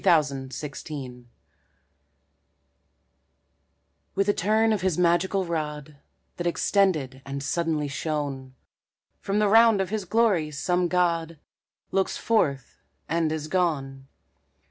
CLOUD BREAK With a turn of his magical rod, That extended and suddenly shone, From the round of his glory some god Looks forth and is gone.